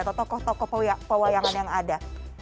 atau tokoh tokoh pewayangan yang ada